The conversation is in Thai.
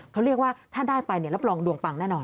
เขาเรียกว่าถ้าได้ไปรับรองดวงปังแน่นอน